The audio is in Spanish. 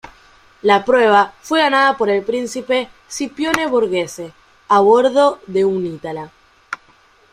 La prueba fue ganada por el príncipe Scipione Borghese a bordo de un Itala.